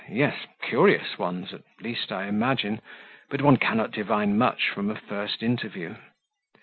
Yes; curious ones, at least, I imagine; but one cannot divine much from a first interview."